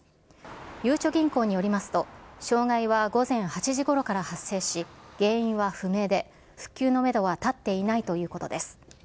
ゆうちょ銀行によりますと、障害は午前８時ごろから発生し、原因は不明で、復旧のメドは立っていないということです。